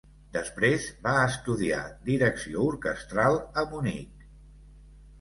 Després va estudiar direcció orquestral a Munic.